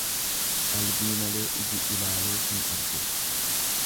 Qalbii malee iji ilaalee hin argu.